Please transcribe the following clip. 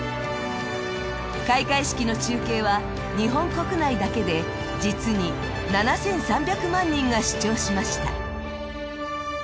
開会式の中継は日本国内だけで実に７３００万人が視聴しました。